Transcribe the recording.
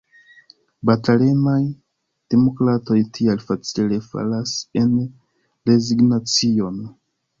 Batalemaj demokratoj tial facile falas en rezignacion.